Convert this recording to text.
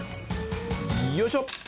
よいしょ。